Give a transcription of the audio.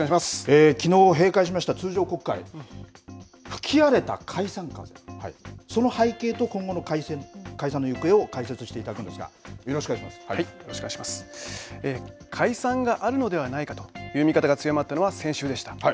きのう閉会しました、通常国会吹き荒れた解散風その背景と今後の解散の行方を解説していただくんですが解散があるのではないかという見方が強まったのは先週でした。